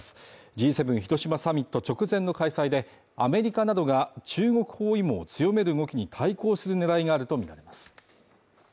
Ｇ７広島サミット直前の開催で、アメリカなどが中国包囲網を強める動きに対抗する狙いがあるとみられます。